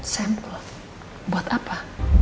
sampel buat apa